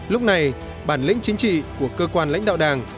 lúc này bản lĩnh chính trị của cơ quan lãnh đạo đảng